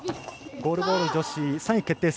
ゴールボール女子３位決定戦。